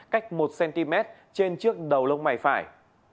cách một cm trên trước đầu lông mày phải